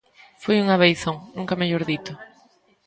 Foi unha beizón, nunca mellor dito.